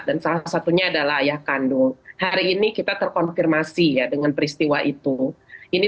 dan salah satunya adalah ayah kandung hari ini kita terkonfirmasi ya dengan peristiwa itu ini